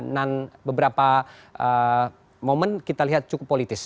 dan beberapa momen kita lihat cukup politis